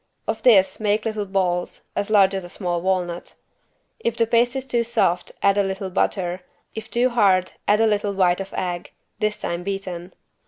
Of this make little balls, as large as a small walnut. If the paste is too soft add a little butter, if too hard add a little white of egg, this time beaten.